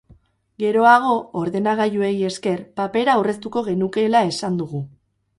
Geroago, ordenagailuei esker, papera aurreztuko genukeela esan dugu.